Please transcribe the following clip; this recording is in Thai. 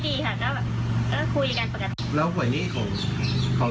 มีคนว่าเขาเป็นคนดีใช่มั้ยครับ